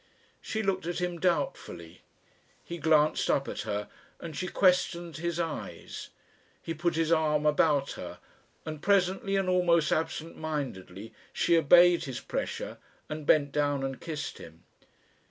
She looked at him doubtfully. He glanced up at her, and she questioned his eyes. He put his arm about her, and presently and almost absent mindedly she obeyed his pressure and bent down and kissed him.